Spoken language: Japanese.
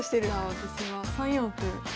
私は３四歩で。